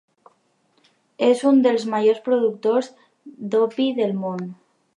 És un dels majors productors d'opi del món.